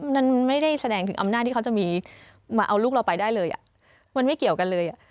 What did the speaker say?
มันไม่ได้แสดงถึงอำนาจที่เขาจะมีมาเอาลูกเราไปได้เลยมันไม่เกี่ยวกันเลย